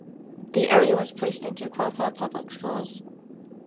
The area was placed into Quapaw Public Schools.